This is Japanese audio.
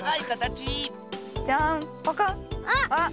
あっ！